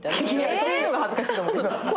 そっちの方が恥ずかしいと思う。